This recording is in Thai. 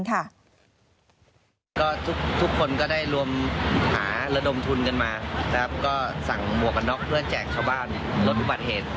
ครับลดการศูนย์เสียครับ